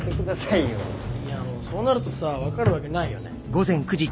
いやそうなるとさ分かるわけないよね。